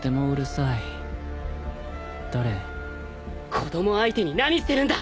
子供相手に何してるんだ！